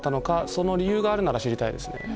その理由があるなら知りたいですね。